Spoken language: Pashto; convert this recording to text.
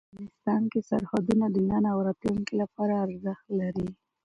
افغانستان کې سرحدونه د نن او راتلونکي لپاره ارزښت لري.